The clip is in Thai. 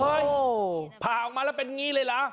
ผ่าออกมาแล้วเป็นอย่างนี้เลยเหรอ